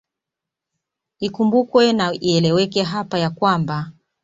Ikumbukwe na ieleweke hapa ya kwamba